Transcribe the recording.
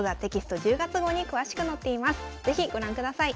是非ご覧ください。